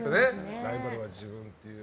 ライバルは自分っていう。